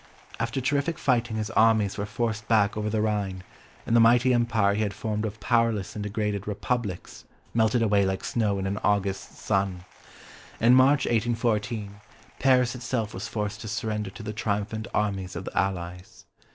After terrific fighting his armies were forced back over the Rhine, and the mighty Empire he had formed of powerless and degraded "Republics" melted away like snow in an August sun. In March 1814, Paris itself was forced to surrender to the triumphant armies of the Allies.